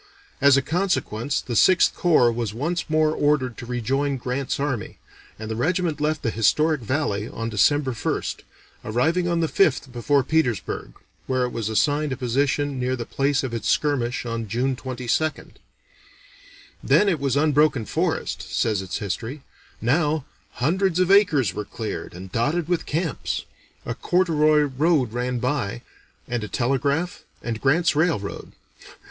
As a consequence the Sixth Corps was once more ordered to rejoin Grant's army, and the regiment left the historic valley on December 1st, arriving on the 5th before Petersburg, where it was assigned a position near the place of its skirmish on June 22nd. "Then it was unbroken forest," says its history; "now, hundreds of acres were cleared, and dotted with camps. A corduroy road ran by, and a telegraph, and Grant's railroad.